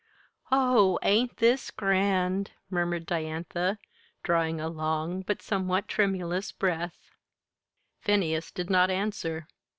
"Oh, ain't this grand!" murmured Diantha, drawing a long but somewhat tremulous breath. Phineas did not answer.